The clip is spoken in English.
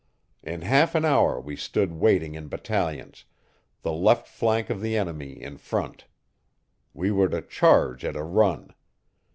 In half an hour we stood waiting in battalions, the left flank of the enemy in front. We were to charge at a run.